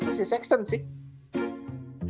atau si sexland sih